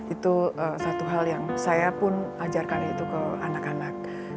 itu satu hal yang saya pun ajarkan itu ke anak anak